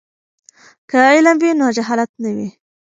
که علم وي نو جهالت نه وي.